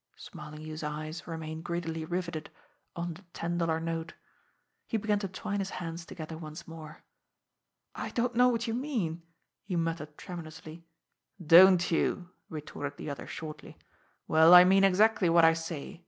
Smarlinghue's eyes remained greedily riveted on the ten dollar note. He began to twine his hands together once more. "I don't know what you mean," he muttered tremulously. "Don't you!" retorted the other shortly. "Well, I mean exactly what I say.